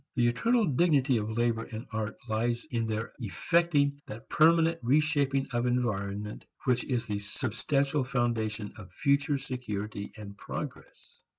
The eternal dignity of labor and art lies in their effecting that permanent reshaping of environment which is the substantial foundation of future security and progress.